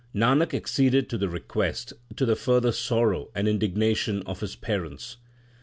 Nanak acceded to the request, to the further sorrow and indignation of his parents.